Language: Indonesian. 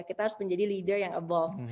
kita harus menjadi leader yang avolve